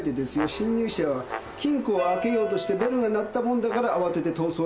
侵入者は金庫を開けようとしてベルが鳴ったもんだから慌てて逃走した。